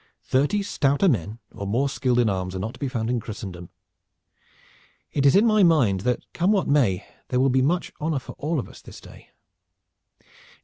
Thirty stouter men or more skilled in arms are not to be found in Christendom. It is in my mind that come what may there will be much honor for all of us this day.